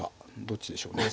どっちでしょうね。